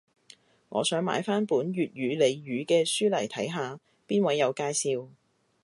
我想買返本粵語俚語嘅書嚟睇下，邊位有介紹